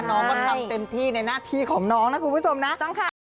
น้องมันทำเต็มที่ในหน้าที่ของน้องนะคุณผู้ชมนะ